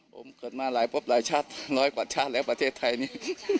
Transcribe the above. ผมเกิดมาหลายพบหลายชาติน้อยกว่าชาติแล้วประเทศไทยนี้